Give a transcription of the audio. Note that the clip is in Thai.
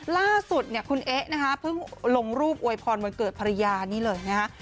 ล่าสุดคุณเอ๊ะเพิ่งลงรูปอวยพรวนเกิดภรรยานี่เลยนะฮะ